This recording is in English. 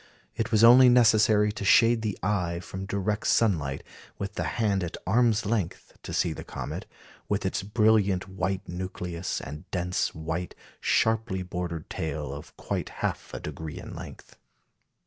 It was only necessary to shade the eye from direct sunlight with the hand at arm's length, to see the comet, with its brilliant white nucleus and dense white, sharply bordered tail of quite half a degree in length."